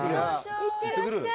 行ってらっしゃい。